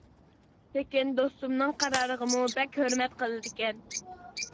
لېكىن، دوستۇمنىڭ قارارىغىمۇ بەك ھۆرمەت قىلىدىكەن.